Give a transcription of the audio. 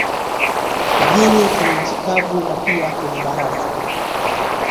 majini kwenye nchi kavu na pia kwenye barafu